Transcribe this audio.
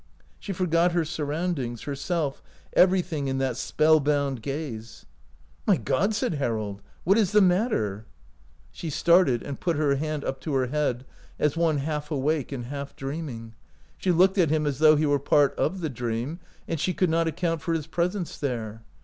She forgot her sur roundings, herself, everything in that spell bound gaze. 114 OUT OF BOHEMIA " My God !" said Harold, " what is the matter ?" She started, and put her hand up to her head, as one half awake and half dreaming. She looked at him as though he were part of the dream and she could not account for his presence there.